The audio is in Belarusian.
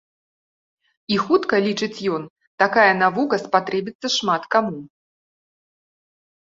І хутка, лічыць ён, такая навука спатрэбіцца шмат каму.